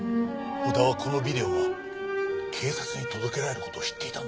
小田はこのビデオが警察に届けられる事を知っていたんだよ。